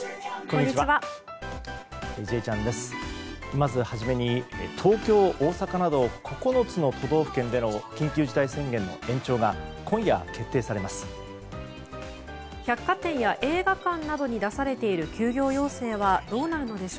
まず初めに東京、大阪など９つの都道府県での緊急事態宣言の延長が今夜、決定されます。